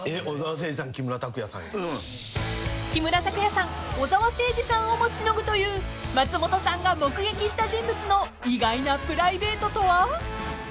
小澤征爾さんをもしのぐという松本さんが目撃した人物の意外なプライベートとは？］